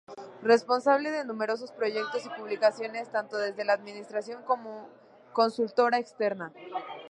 Responsable de numerosos proyectos y publicaciones tanto desde la Administración como consultora externa.